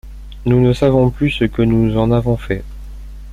Nous ne savons plus ce que nous en avons fait.